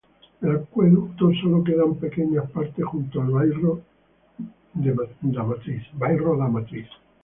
Del acueducto sólo quedan pequeñas partes junto al Bairro da Matriz.